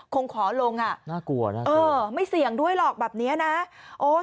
คงขอลงอ่ะน่ากลัวนะเออไม่เสี่ยงด้วยหรอกแบบเนี้ยนะโอ้ย